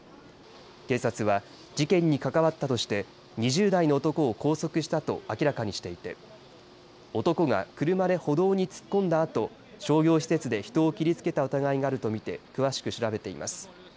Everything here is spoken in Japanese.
警察は事件に関わったとして２０代の男を拘束したと明らかにしていて男が車で歩道に突っ込んだあと商業施設で人を切りつけた疑いがあると見て詳しく調べています。